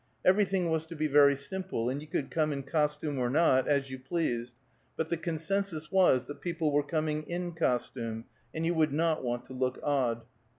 Everything was to be very simple, and you could come in costume or not, as you pleased, but the consensus was that people were coming in costume, and you would not want to look odd.